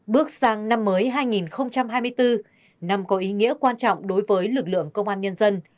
bước sang năm mới hai nghìn hai mươi bốn năm có ý nghĩa quan trọng đối với lực lượng công an nhân dân